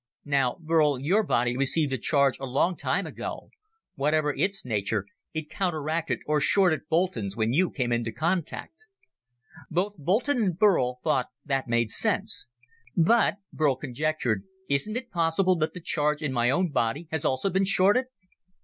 "Now, Burl, your body received a charge a long time ago. Whatever its nature, it counteracted or shorted Boulton's when you came into contact." Both Boulton and Burl thought that made sense. "But," Burl conjectured, "isn't it possible that the charge in my own body has also been shorted?"